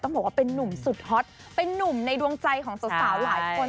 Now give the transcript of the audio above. บอกว่าเป็นนุ่มสุดฮอตเป็นนุ่มในดวงใจของสาวหลายคน